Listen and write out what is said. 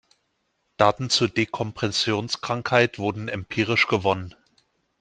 Daten zur Dekompressionskrankheit wurden empirisch gewonnen.